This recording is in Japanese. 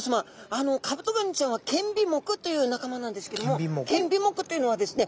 あのカブトガニちゃんは剣尾目という仲間なんですけども剣尾目というのはですね